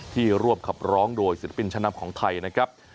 ร่วมขับร้องโดยศิลปินชะนำของไทยนะครับ